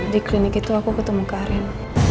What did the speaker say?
di klinik itu aku ketemu karen